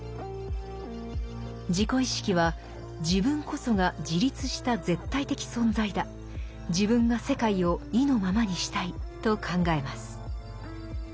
自己意識は「自分こそが自立した絶対的存在だ自分が世界を意のままにしたい」と考えます。